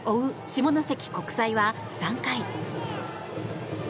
下関国際は３回。